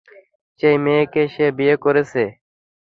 সেই মেয়েকে সে বিয়ে করছে।